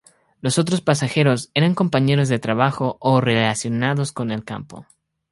Los otros pasajeros eran compañeros de trabajo o relacionados con el campo.